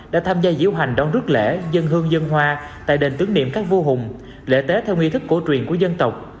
đã tham gia diễu hành đoan rước lễ dân hương dân hoa tại đền tướng niệm các vua hùng lễ tế theo nghi thức cổ truyền của dân tộc